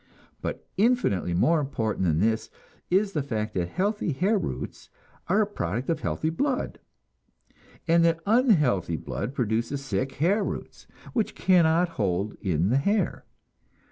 But infinitely more important than this is the fact that healthy hair roots are a product of healthy blood, and that unhealthy blood produces sick hair roots, which cannot hold in the hair.